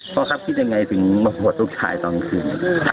พ่อครับคิดยังไงถึงมาสวดลูกชายตอนคืน